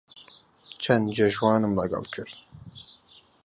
چەند جێژوانم لەگەڵ کرد